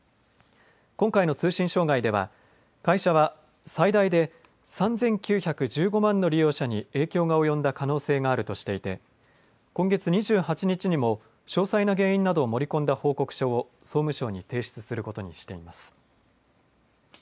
今回の通信障害では、会社は最大で３９１５万の利用者に影響が及んだ可能性があるとしていて、今月２８日にも、詳細な原因などを盛り込んだ報告書を、総務省に提出することにしています。